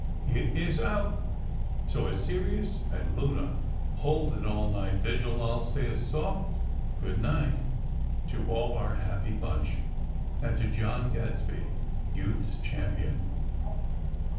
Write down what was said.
It is out! So, as Sirius and Luna hold an all night vigil, I'll say a soft "Good night" to all our happy bunch, and to John Gadsby Youth's Champion.